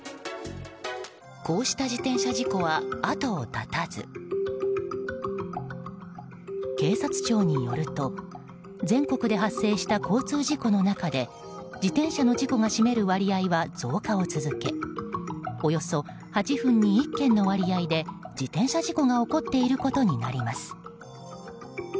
こうした自転車事故は後を絶たず警察庁によると全国で発生した交通事故の中で自転車の事故が占める割合は増加を続けおよそ８分に１件の割合で自転車事故が起こっていることになります。